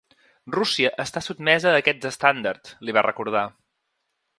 “Rússia està sotmesa a aquests estàndards”, li va recordar.